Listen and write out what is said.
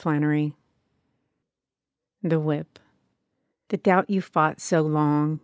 |67i % THE WHIP The doubt you fought so long.